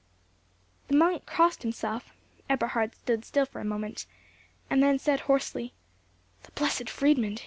The monk crossed himself. Eberhard stood still for a moment, and then said, hoarsely,—"The Blessed Friedmund!